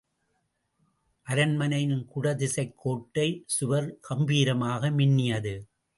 அரண்மனையின் குடதிசைக் கோட்டைச் சுவர் கம்பீரமாக மின்னியது.